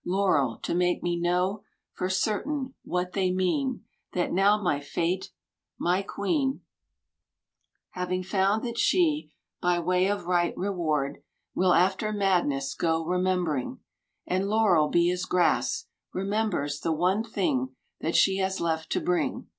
Latirel, to make me know For certain what they mean: That now my Fate, my Queen, I31I Having found that she, bj waj of right reward. Will after madneif go remembering, And kurel be as grass, — Remembers the one thiAg That she has left to bring.